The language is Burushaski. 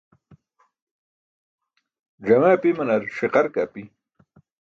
Ẓame apimanar ṣiqar ke api.